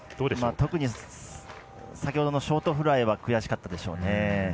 特に先ほどのショートフライは悔しかったでしょうね。